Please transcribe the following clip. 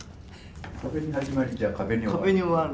壁に始まりじゃあ壁に終わる。